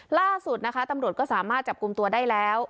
ล่าสุดนะคะตำรวจก็สามารถจับกลุ่มตัวได้แล้ว